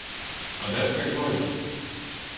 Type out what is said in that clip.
А де ж той злодій?